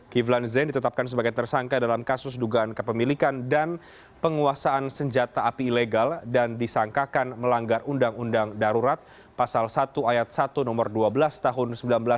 kiflan zain ditetapkan sebagai tersangka dalam kasus dugaan kepemilikan dan penguasaan senjata api ilegal dan disangkakan melanggar undang undang darurat pasal satu ayat satu nomor dua belas tahun seribu sembilan ratus sembilan puluh